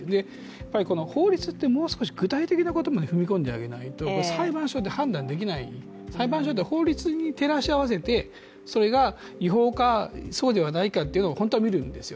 やっぱり法律ってもう少し具体的なことまで踏み込んであげないと、裁判所で判断できない、裁判所って法律に照らし合わせて、それが違法かそうではないかというのを本当は見るんですよ